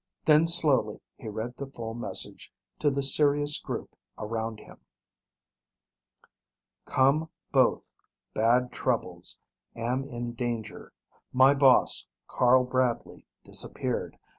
Then, slowly, he read the full message to the serious group around him. COME BOTH. BAD TROUBLES. AM IN DANGER. MY BOSS, CARL BRADLEY, DISAPPEARED.